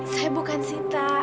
saya bukan sita